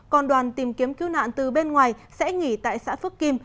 còn đoàn tìm kiếm cứu nạn từ bên ngoài sẽ nghỉ tại xã phước kim